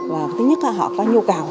và thứ nhất là họ có nhu cầu